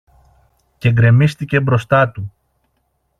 και γκρεμίστηκε μπροστά του.